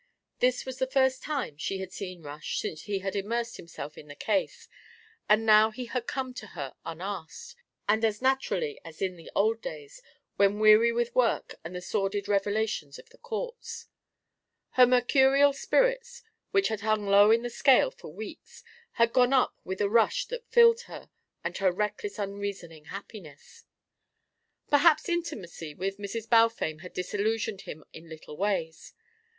This was the first time she had seen Rush since he had immersed himself in the case, and now he had come to her unasked, and as naturally as in the old days when weary with work and the sordid revelations of the courts. Her mercurial spirits, which had hung low in the scale for weeks, had gone up with a rush that filled her with a reckless unreasoning happiness. Perhaps intimacy with Mrs. Balfame had disillusioned him in little ways.